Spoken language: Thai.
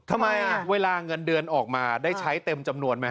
ทำไมเวลาเงินเดือนออกมาได้ใช้เต็มจำนวนไหม